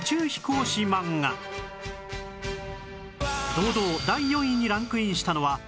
堂々第４位にランクインしたのは